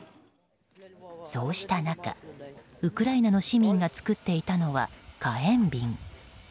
そうした中、ウクライナの市民が作っていたのは火炎瓶。